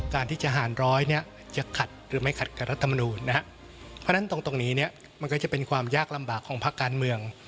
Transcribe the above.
เพราะฉะนั้นตรงนี้มันก็จะเป็นความยากลำบากของภาคการเมือง